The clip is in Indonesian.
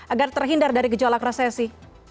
agar terhindar dari gejolak resesi